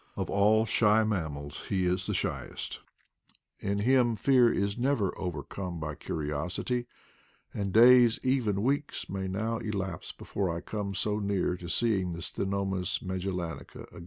Of all shy mammals he is the shyest; in him fear is never overcome by curi osity, and days, even weeks, may now elapse be fore I come so near seeing the Ctenomys magel lanica again.